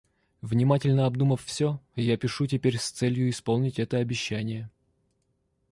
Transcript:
Внимательно обдумав всё, я пишу теперь с целью исполнить это обещание.